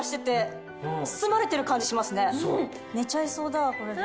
寝ちゃいそうだわこれで。